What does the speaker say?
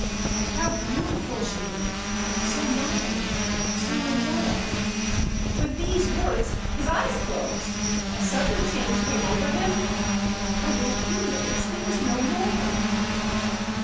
But how beautiful she looked—so mild, so angelic!_'—With these words his eyes closed—a sudden change came over him—and in a few minutes he was no more."